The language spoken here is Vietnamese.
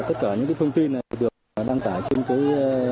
tất cả những thông tin này được đăng tải trên cái